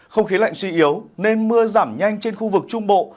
không khí lạnh suy yếu nên mưa giảm nhanh trên khu vực trung bộ